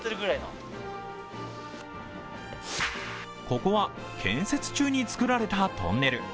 ここは建設中に造られたトンネル。